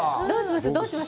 どうします？